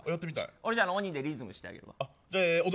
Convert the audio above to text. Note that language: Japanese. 俺、２でリズムしてあげる。